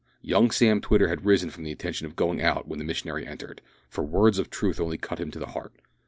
Young Sam Twitter had risen with the intention of going out when the missionary entered, for words of truth only cut him to the heart.